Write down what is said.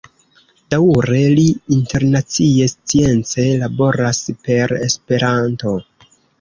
Daŭre li internacie science laboras per Esperanto.